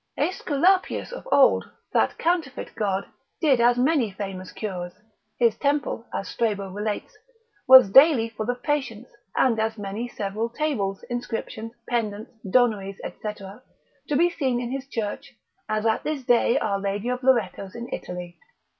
Aesculapius of old, that counterfeit God, did as many famous cures; his temple (as Strabo relates) was daily full of patients, and as many several tables, inscriptions, pendants, donories, &c. to be seen in his church, as at this day our Lady of Loretto's in Italy.